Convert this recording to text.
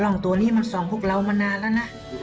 กล้องตัวนี้มันซองพวกเรามะนาแล้วนะ